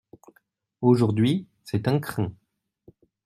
Aujourd’hui c’est un crin !